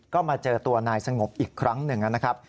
ก็มาเจอตัวนายสงบอีกครั้งหนึ่งนะครับ